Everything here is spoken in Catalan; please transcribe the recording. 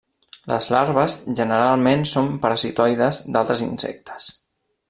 Les larves generalment són parasitoides d'altres insectes.